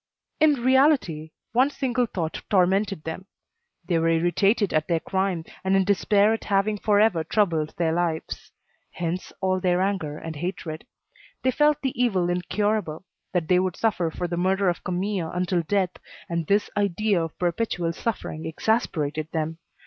In reality, one single thought tormented them: they were irritated at their crime, and in despair at having for ever troubled their lives. Hence all their anger and hatred. They felt the evil incurable, that they would suffer for the murder of Camille until death, and this idea of perpetual suffering exasperated them.